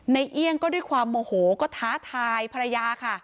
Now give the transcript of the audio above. เอี่ยงก็ด้วยความโมโหก็ท้าทายภรรยาค่ะ